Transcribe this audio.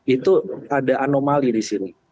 itu ada anomali di sini